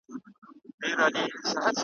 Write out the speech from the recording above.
اوس هغي لمبې ته وزرونه بورا نه نیسي `